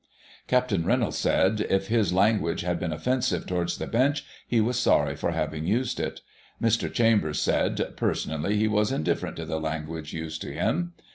Capt. Reynolds said, if his language had been offensive towards the bench, he was sorry for having used it Mr. Chambers said, personally, he was indifferent to the language used to him.